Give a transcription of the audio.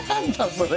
それ。